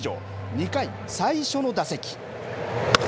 ２回、最初の打席。